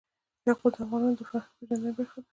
یاقوت د افغانانو د فرهنګي پیژندنې برخه ده.